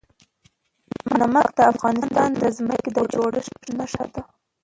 نمک د افغانستان د ځمکې د جوړښت نښه ده.